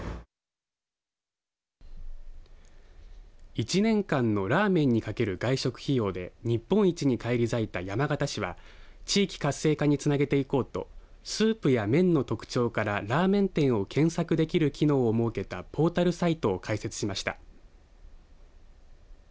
１年間のラーメンにかける外食費用で日本一に返り咲いた山形市は地域活性化につなげていこうとスープや麺の特徴からラーメン店を検索できる機能を設けたポータルサイトを開設しました。